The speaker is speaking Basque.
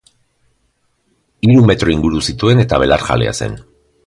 Hiru metro inguru zituen eta belarjalea zen.